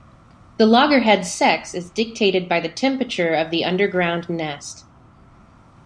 The loggerhead's sex is dictated by the temperature of the underground nest.